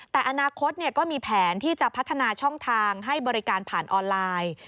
แต่อนาคตก็มีแผนที่จะพัฒนาช่องทางให้บริการผ่านออนไลน์